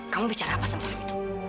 kamu bicara apa sama itu